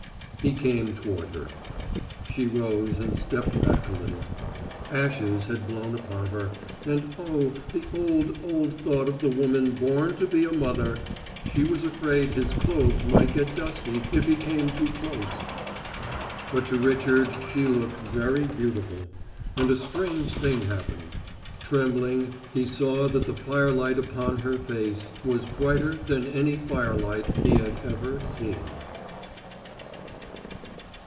He came toward her. She rose and stepped back a little. Ashes had blown upon her, and, oh, the old, old thought of the woman born to be a mother! she was afraid his clothes might get dusty if he came too close. But to Richard she looked very beautiful; and a strange thing happened: trembling, he saw that the firelight upon her face was brighter than any firelight he had ever seen.